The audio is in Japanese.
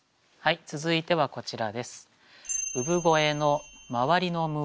続いてはこちらです。